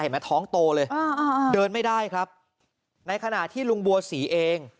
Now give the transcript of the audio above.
ท้องโตเลยเดินไม่ได้ครับในขณะที่ลุงบัวศรีเอง